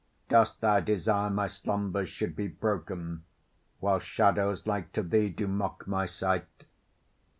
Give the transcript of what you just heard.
Dost thou desire my slumbers should be broken, While shadows like to thee do mock my sight?